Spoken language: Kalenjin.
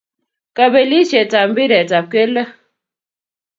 kabelishet ab mbiretap keldo